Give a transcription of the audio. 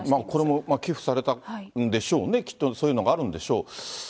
これも寄付されたんでしょうね、きっと、そういうのがあるんでしょう。